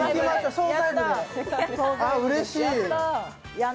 うれしい。